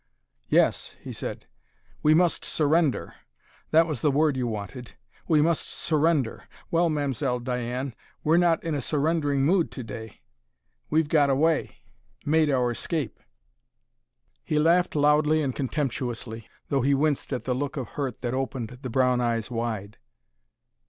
"Yes," he said; "we must 'surrender' that was the word you wanted. We must surrender!... Well, Mam'selle Diane, we're not in a surrendering mood to day. We've got away; made our escape!" He laughed loudly and contemptuously, though he winced at the look of hurt that opened the brown eyes wide.